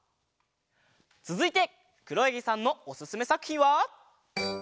つづいてくろやぎさんのおすすめさくひんは。